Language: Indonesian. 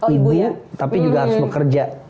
ibunya tapi juga harus bekerja